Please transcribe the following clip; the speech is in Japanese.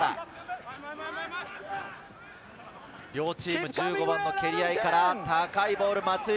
両チーム、１５番の蹴り合いから、高いボール。